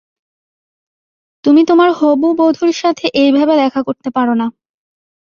তুমি তোমার হবু বধুর সাথে এইভাবে দেখা করতে পারোনা।